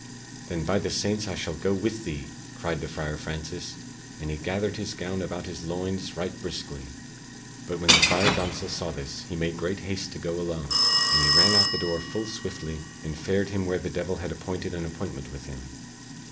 "Then by the saints I shall go with thee!" cried the Friar Francis, and he gathered his gown about his loins right briskly. But when the Friar Gonsol saw this he made great haste to go alone, and he ran out of the door full swiftly and fared him where the devil had appointed an appointment with him.